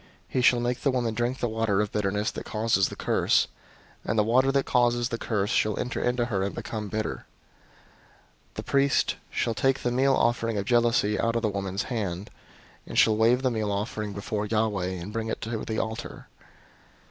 005:024 He shall make the woman drink the water of bitterness that causes the curse; and the water that causes the curse shall enter into her and become bitter. 005:025 The priest shall take the meal offering of jealousy out of the woman's hand, and shall wave the meal offering before Yahweh, and bring it to the altar.